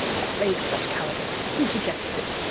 A plague of such cowardice! Who suggests it?